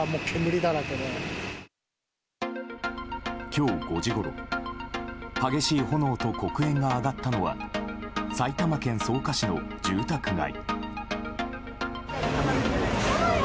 今日５時ごろ激しい炎と黒煙が上がったのは埼玉県草加市の住宅街。